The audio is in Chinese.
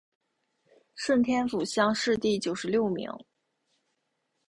顺天府乡试第九十六名。